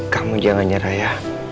kamu jangan nyerah ya